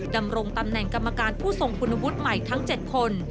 ดำรงตำแหน่งกรรมการผู้ทรงคุณวุฒิใหม่ทั้ง๗คน